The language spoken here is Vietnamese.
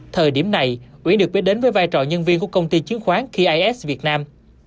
thời điểm này uyển được biết đến với vai trò nhân viên của công ty chứng khoán pas việt nam